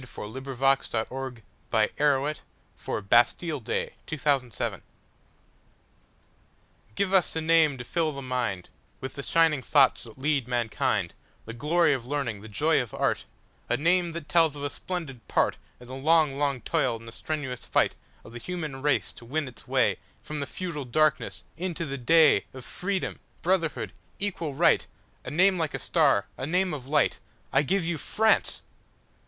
(1873–1953). A Treasury of War Poetry. 1917. Henry van Dyke The Name of France GIVE us a name to fill the mindWith the shining thoughts that lead mankind, The glory of learning, the joy of art,—A name that tells of a splendid partIn the long, long toil and the strenuous fightOf the human race to win its wayFrom the feudal darkness into the dayOf Freedom, Brotherhood, Equal Right,—A name like a star, a name of light.I give you France!